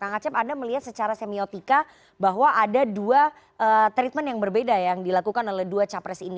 kang acep anda melihat secara semiotika bahwa ada dua treatment yang berbeda yang dilakukan oleh dua capres ini